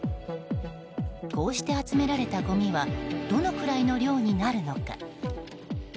こうして集められたごみはどのくらいの量になるのか。